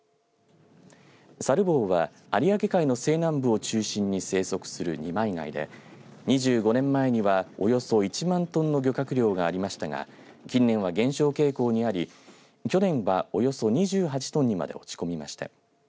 サルボウは、有明海の西南部を中心に生息する二枚貝で、２５年前にはおよそ１万トンの漁獲量がありましたが近年は減少傾向にあり去年は、およそ２８万トンにまで落ち込みました。